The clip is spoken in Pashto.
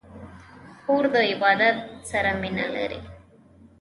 خور د عبادت سره مینه لري.